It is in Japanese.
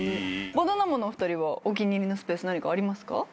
バナナマンのお二人はお気に入りのスペース何かありますか？